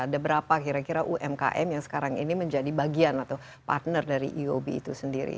ada berapa kira kira umkm yang sekarang ini menjadi bagian atau partner dari uob itu sendiri